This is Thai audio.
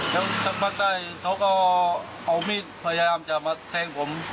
แล้วสักพักได้เขาก็เอามีดพยายามจะมาแทงผม